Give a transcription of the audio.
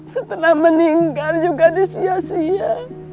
setelah meninggal juga disia sia